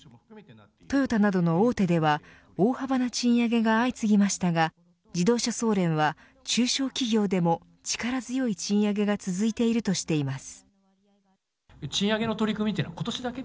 トヨタなどの大手では大幅な賃上げが相次ぎましたが自動車総連は中小企業でも力強い賃上げが続いているとしています。